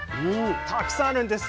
たくさんあるんです。